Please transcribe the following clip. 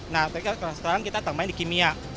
nah tapi sekarang kita tambahin di kimia